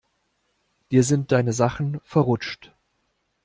Dir sind deine Sachen verrutscht.